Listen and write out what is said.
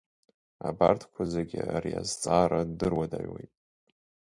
Абарҭқәа зегьы ари азҵаара дыруадаҩуеит.